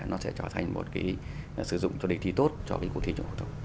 nó sẽ trở thành một cái sử dụng cho đề thi tốt cho cái cuộc thi trong hội thông